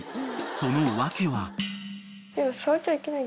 ［その訳は？］